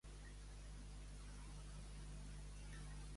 Es va poder retrobar amb la valenciana a la capital de l'actual Rússia?